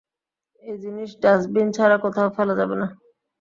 এই জিনিস ডাস্টবিন ছাড়া কোথাও ফেলা যাবে না।